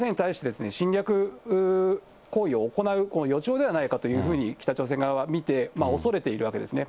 なので、北朝鮮に対して、侵略行為を行う予兆ではないかというふうに、北朝鮮は見て、恐れているわけですね。